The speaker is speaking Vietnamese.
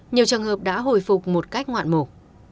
nhiều trường hợp đã hồi phục một cách ngoạn mục